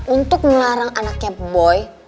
untuk melarang anaknya boy